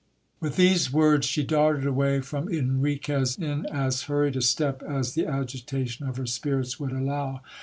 With these words, she darted away from Enriquez in as hurried a step as the agitation of her spirits would allow.